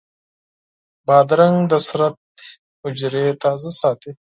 بادرنګ د بدن حجرې تازه ساتي.